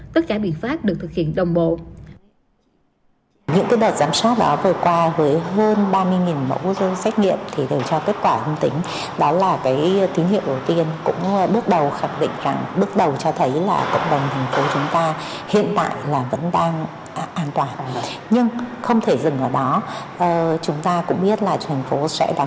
tất cả biện pháp được thực hiện đồng bộ